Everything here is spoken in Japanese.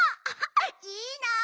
いいな！